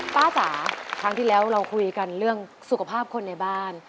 จ๋าครั้งที่แล้วเราคุยกันเรื่องสุขภาพคนในบ้าน